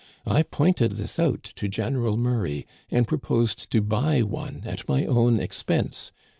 I pointed this out to General Murray, and proposed to buy one at my own expense.